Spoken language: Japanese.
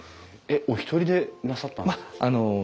えっお一人でなさったんですか？